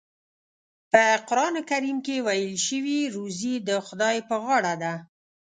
په قرآن کریم کې ویل شوي روزي د خدای په غاړه ده.